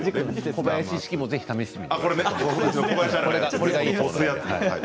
小林式もぜひ試してみてください。